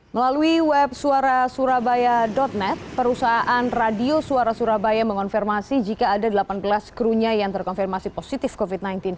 melalui web suara surabaya net perusahaan radio suara surabaya mengonfirmasi jika ada delapan belas krunya yang terkonfirmasi positif covid sembilan belas